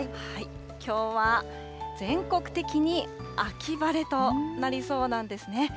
きょうは全国的に秋晴れとなりそうなんですね。